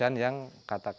kepada yang sangat tebari